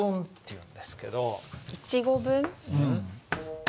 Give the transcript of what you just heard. うん。